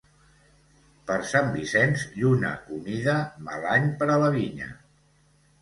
Per Sant Vicenç, lluna humida, mal any per a la vinya.